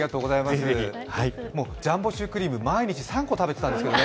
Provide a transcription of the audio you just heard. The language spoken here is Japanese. ジャンボシュークリーム、毎日３個食べてたんですけどね。